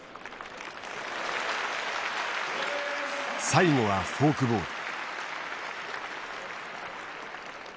最後はフォークボール。